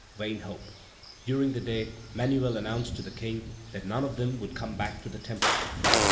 Vain hope! During the day Manuel announced to the King that none of them would come back to the Temple.